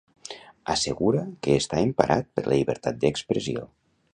Assegura que està emparat per la llibertat d'expressió.